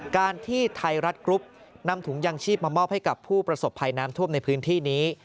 การที่ไทยรัฐกรุ๊ปนำถุงยางชีพมามอบให้กับผู้ประสบภัยน้ำท่วมในพื้นที่นี้